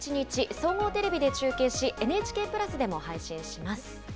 総合テレビで中継し、ＮＨＫプラスでも配信します。